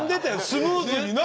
スムーズにな。